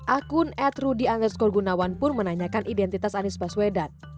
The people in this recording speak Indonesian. akun ad rudy andeskor gunawan pun menanyakan identitas anies baswedan